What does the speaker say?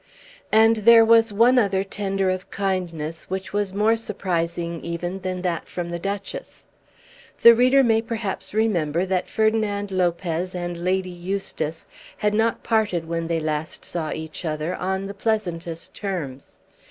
And there was one other tender of kindness which was more surprising than even that from the Duchess. The reader may perhaps remember that Ferdinand Lopez and Lady Eustace had not parted when they last saw each other on the pleasantest terms.